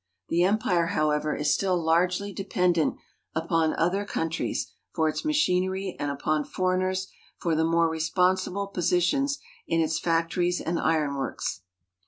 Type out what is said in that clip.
The empire, however, is still largely dei)endent upon otlier countries for its machinery and upon foreigners for the more resi)onsible positions in its factories and ironworks.